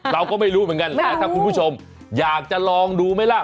เราก็ไม่รู้เหมือนกันแต่ถ้าคุณผู้ชมอยากจะลองดูไหมล่ะ